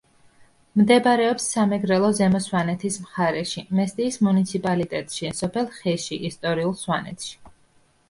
მდებარეობს სამეგრელო-ზემო სვანეთის მხარეში მესტიის მუნიციპალიტეტში, სოფელ ხეში ისტორიულ სვანეთში.